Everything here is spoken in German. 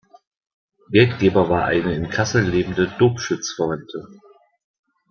Geldgeber war eine in Kassel lebende Dobschütz-Verwandte.